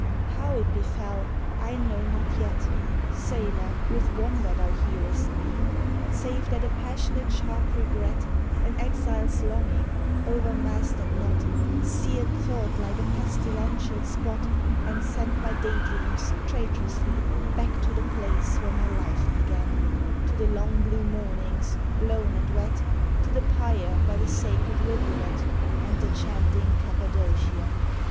How it befell, I know not yet, (Sailor, with wonder thou hearest me), Save that a passionate sharp regret, An exile's longing, o'ermastered not, Seared thought like a pestilential spot, And sent my day dreams traitorously Back to the place where my life began, To the long blue mornings, blown and wet, To the pyre by the sacred rivulet, And the chanting Cappadocian.